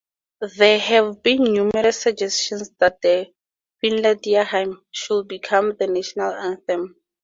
There have been numerous suggestions that the "Finlandia Hymn" should become the national anthem.